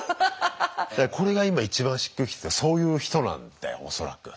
これが今一番しっくりきててそういう人なんだよ恐らく。